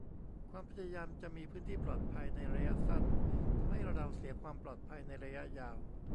ความพยายามจะมีพื้นที่ "ปลอดภัย" ในระยะสั้น ทำให้เราเสียความปลอดภัยในระยะยาว